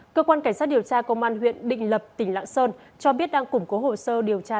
cơ quan cảnh sát điều tra công an huyện định lập tỉnh lạng sơn cho biết đang củng cố hồ sơ điều tra